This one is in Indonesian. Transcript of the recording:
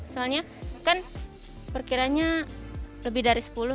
soalnya kan perkiranya lebih dari sepuluh